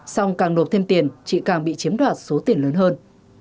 xong càng nộp thêm tiền chị càng bị chiếm đoạt số tiền lớn hơn